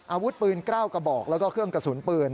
อาวุธปืน๙กระบอกแล้วก็เครื่องกระสุนปืน